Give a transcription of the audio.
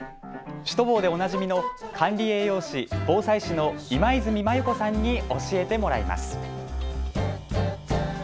シュトボーでおなじみの管理栄養士、防災士の今泉マユ子さんに教えてもらいます。